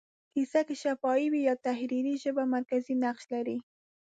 کیسه که شفاهي وي یا تحریري، ژبه مرکزي نقش لري.